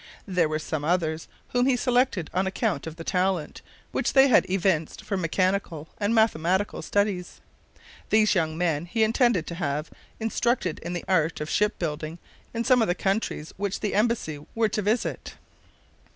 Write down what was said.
There were some others whom he selected on account of the talent which they had evinced for mechanical and mathematical studies. These young men he intended to have instructed in the art of ship building in some of the countries which the embassy were to visit.